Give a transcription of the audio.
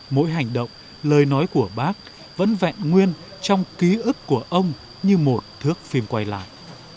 mỗi hành động lời nói của bác vẫn vẹn nguyên trong ký ức của ông như một thước phim quay lại